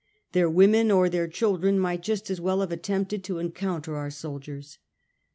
Their women or their children might just as well have attempted to en counter our soldiers.